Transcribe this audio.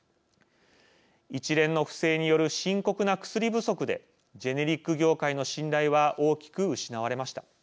一連の不正による深刻な薬不足でジェネリック業界の信頼は大きく失われました。